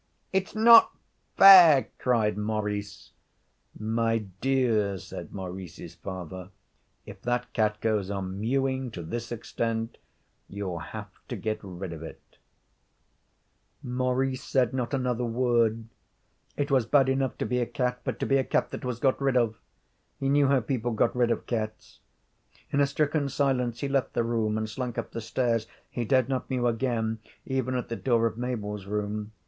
'It's not fair!' cried Maurice. 'My dear,' said Maurice's father, 'if that cat goes on mewing to this extent you'll have to get rid of it.' [Illustration: When Jane went in to put Mabel's light out Maurice crept in too.] Maurice said not another word. It was bad enough to be a cat, but to be a cat that was 'got rid of'! He knew how people got rid of cats. In a stricken silence he left the room and slunk up the stairs he dared not mew again, even at the door of Mabel's room.